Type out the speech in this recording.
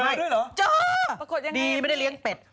ด้วยเหรอเจอปรากฏยังไงดีไม่ได้เลี้ยงเป็ด